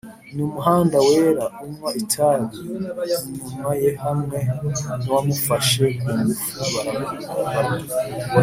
numuhanda wera unywa itabi inyuma ye hamwe nuwamufashe kungufu baramuta